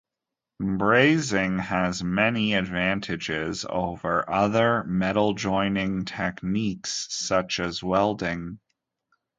Brazing has many advantages over other metal-joining techniques, such as welding.